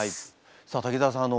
さあ滝沢さん